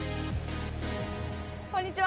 こんにちは。